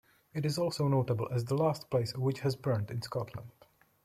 It is also notable as the last place a witch was burnt in Scotland.